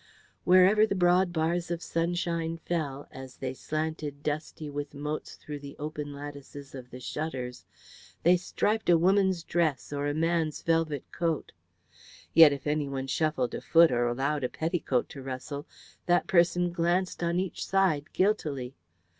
Wherever the broad bars of sunshine fell, as they slanted dusty with motes through the open lattices of the shutters, they striped a woman's dress or a man's velvet coat. Yet if anyone shuffled a foot or allowed a petticoat to rustle, that person glanced on each side guiltily.